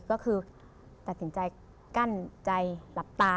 ก็คือตัดสินใจกั้นใจหลับตา